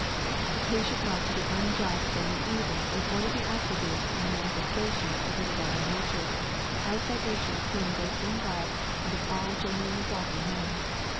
A patient love to the unjust and the evil is one of the attributes and manifestations of the divine nature, as that nature is seen both in God and in all genuinely godly men.